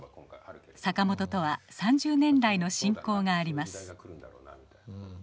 坂本とは３０年来の親交があります。